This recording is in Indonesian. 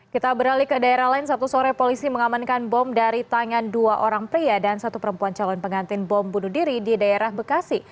kita beralih ke daerah lain sabtu sore polisi mengamankan bom dari tangan dua orang pria dan satu perempuan calon pengantin bom bunuh diri di daerah bekasi